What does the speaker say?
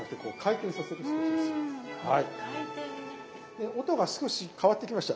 で音が少し変わってきました。